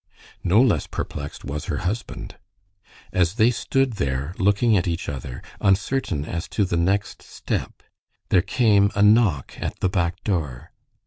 No less perplexed was her husband. As they stood there looking at each other, uncertain as to the next step, there came a knock at the back door.